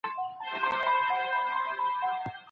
هغه د زده کړې لپاره عمر شرط نه باله.